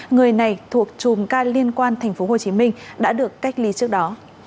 người này thuộc chùm ca liên quan tp hcm đã được cách ly trước đó